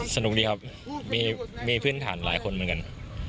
สนุกดีครับมีพื้นฐานหลายคนเหมือนกัน